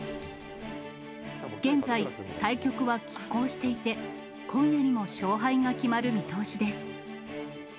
現在、対局はきっ抗していて、今夜にも勝敗が決まる見通しです。